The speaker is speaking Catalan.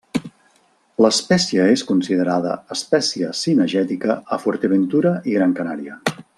L'espècie és considerada espècie cinegètica a Fuerteventura i Gran Canària.